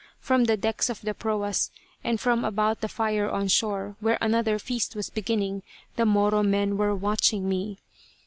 From the decks of the proas and from about the fire on shore, where another feast was beginning, the Moro men were watching me.